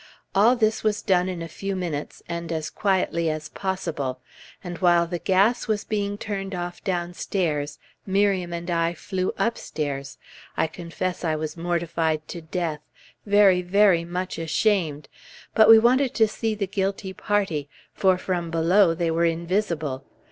All this was done in a few minutes, and as quietly as possible; and while the gas was being turned off downstairs, Miriam and I flew upstairs, I confess I was mortified to death, very, very much ashamed, but we wanted to see the guilty party, for from below they were invisible.